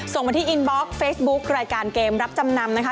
มาที่อินบล็อกเฟซบุ๊ครายการเกมรับจำนำนะคะ